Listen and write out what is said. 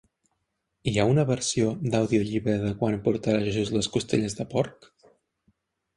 Hi ha una versió d'audiollibre de Quan portarà Jesús les costelles de porc?